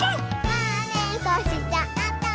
「まねっこしちゃった」